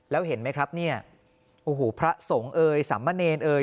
แล้วเห็นไหมครับเนี่ยโอ้โหพระสงฆ์เอ่ยสัมมะเนรเอ่ย